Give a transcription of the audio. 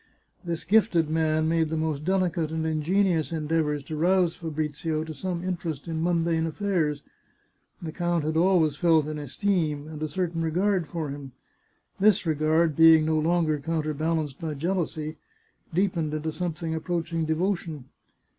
This gifted man made the most delicate and ingenious endeavours to rouse Fabrizio to some interest in mundane affairs. The count had always felt an esteem, and a certain regard for him. This regard, being no longer coun terbalanced by jealousy, deepened into something approach ing devotion.